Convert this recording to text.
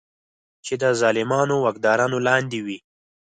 چې د ظالمو واکدارانو لاندې وي.